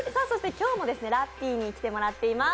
今日もラッピーに来てもらっています。